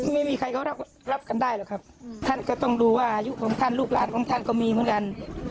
ไม่มีใครเขารับกันได้หรอกครับท่านก็ต้องดูว่าอายุของท่านลูกหลานของท่านก็มีเหมือนกัน